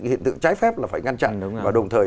hiện tượng trái phép là phải ngăn chặn và đồng thời